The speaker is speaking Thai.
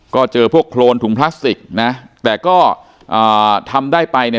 ก็เจอพวกโครนถุงพลาสติกนะแต่ก็อ่าทำได้ไปเนี่ย